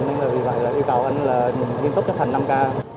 nên vì vậy yêu cầu anh là nghiên cứu chấp hành năm k